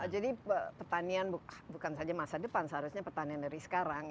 jadi petanian bukan saja masa depan seharusnya petanian dari sekarang